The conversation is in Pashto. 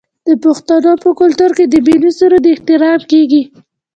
د پښتنو په کلتور کې د ملي سرود احترام کیږي.